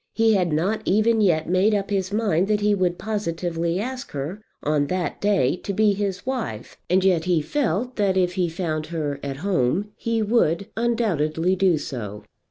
He had not even yet made up his mind that he would positively ask her on that day to be his wife, and yet he felt that if he found her at home he would undoubtedly do so.